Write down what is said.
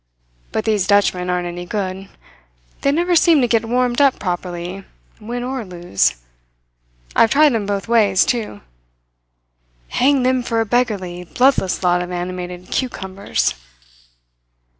But these Dutchmen aren't any good. They never seem to get warmed up properly, win or lose. I've tried them both ways, too. Hang them for a beggarly, bloodless lot of animated cucumbers!"